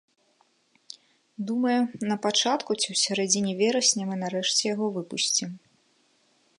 Думаю, на пачатку ці ў сярэдзіне верасня мы нарэшце яго выпусцім.